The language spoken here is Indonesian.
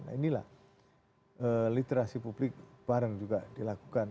nah inilah literasi publik bareng juga dilakukan